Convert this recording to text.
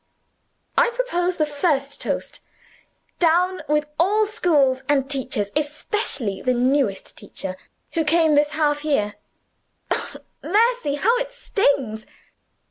I propose the first toast. Down with all schools and teachers especially the new teacher, who came this half year. Oh, mercy, how it stings!"